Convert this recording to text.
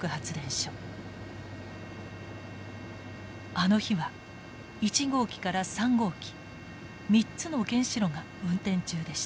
あの日は１号機から３号機３つの原子炉が運転中でした。